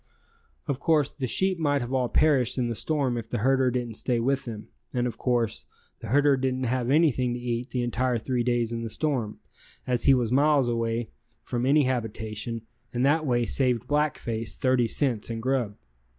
Of course, the sheep might have all perished in the storm if the herder didn't stay with them, and of course, the herder didn't have anything to eat the entire three days in the storm, as he was miles from any habitation and that way saved Black Face 30 cents in grub.